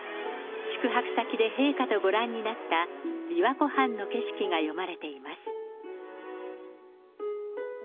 宿泊先で陛下とご覧になった琵琶湖畔の景色が詠まれています。